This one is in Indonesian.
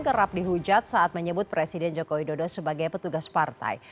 kerap dihujat saat menyebut presiden joko widodo sebagai petugas partai